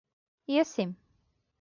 Iesim.